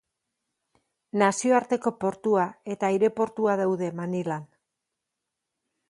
Nazioarteko portua eta aireportua daude Manilan.